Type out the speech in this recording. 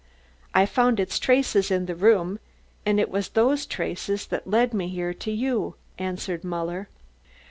"I found its traces in the room, and it was those traces that led me here to you," answered Muller.